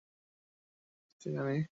আশা কহিল, আমি কি লিখিতে জানি।